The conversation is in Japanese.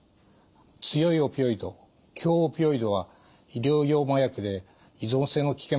強いオピオイド強オピオイドは医療用麻薬で依存性の危険もあるんです。